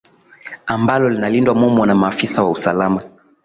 ambalo linalindwa mumo na maafisa wa usalama